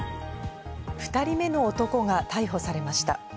２人目の男が逮捕されました。